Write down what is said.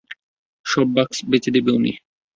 সব বাক্স বেচে দিবে উনি।